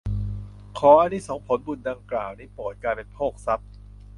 ขออานิสงส์ผลบุญดังกล่าวนี้โปรดกลายเป็นโภคทรัพย์